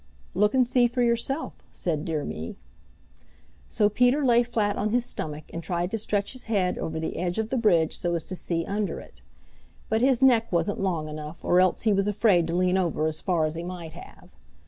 "Look and see for yourself," said Dear Me. So Peter lay flat on his stomach and tried to stretch his head over the edge of the bridge so as to see under it. But his neck wasn't long enough, or else he was afraid to lean over as far as he might have.